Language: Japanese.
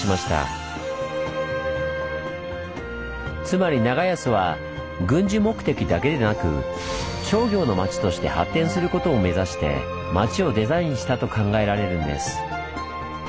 つまり長安は軍事目的だけでなく商業の町として発展することを目指して町をデザインしたと考えられるんです。